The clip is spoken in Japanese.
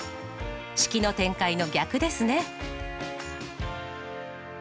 式の展開の逆ですね。